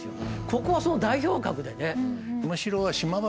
ここはその代表格でね。